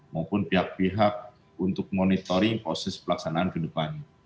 maupun pihak pihak untuk monitoring proses pelaksanaan ke depan